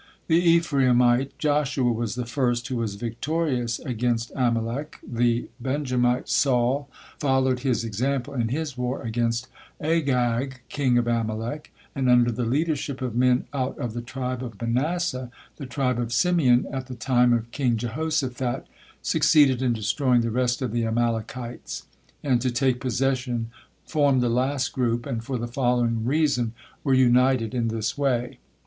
The Ephraimite Joshua was the first who was victorious against Amalek, the Benjamite Saul followed his example in his war against Agag, king of Amalek, and, under the leadership of men out of the tribe of Manasseh, the tribe of Simeon at the time of king Jehoshaphat succeeded in destroying the rest of the Amalekites, and to take possession formed the last group, and for the following reason were united in this way.